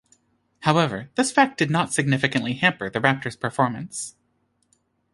However, this fact did not significantly hamper the Raptor's performance.